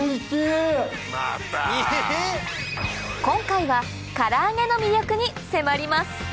今回はから揚げの魅力に迫ります